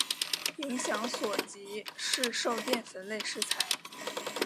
影响所及市售淀粉类食材。